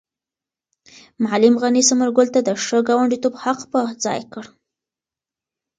معلم غني ثمر ګل ته د ښه ګاونډیتوب حق په ځای کړ.